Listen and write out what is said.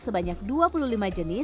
sebanyak dua puluh lima jenis